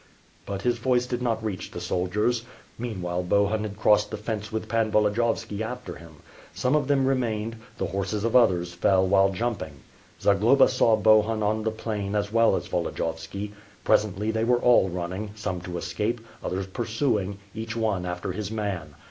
But his voice did not reach the soldiers. Meanwhile Bohun had crossed the fence with Pan Volodiyovski after him. Some of them remained; the horses of others fell while jumping. Zagloba saw Bohun on the plain as well as Volodiyovski. Presently, they were all running; some to escape, others pur suing; each one after his man.